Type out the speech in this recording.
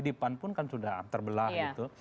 di pan pun kan sudah terbelah gitu